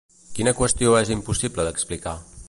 Quina qüestió és impossible d'explicar?